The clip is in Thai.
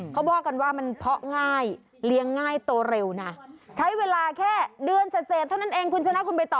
เขาบอกกันว่ามันเพาะง่ายเลี้ยงง่ายโตเร็วนะใช้เวลาแค่เดือนเสร็จเท่านั้นเองคุณชนะคุณไปต่อ